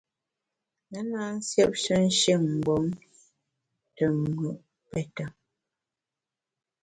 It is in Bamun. Me na nsiêpshe nshin-mgbom te mùt pète.